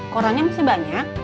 korangnya masih banyak